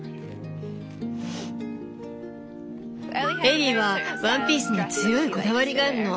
エリーはワンピースに強いこだわりがあるの。